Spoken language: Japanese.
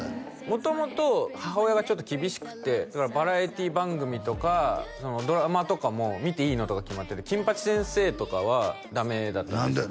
元々母親がちょっと厳しくてバラエティー番組とかドラマとかも見ていいのとか決まってて「金八先生」とかはダメだったんです何で？